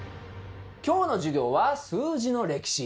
今日の授業は数字の歴史。